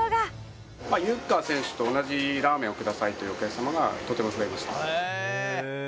「ユンカー選手と同じラーメンをください」というお客様がとても増えました。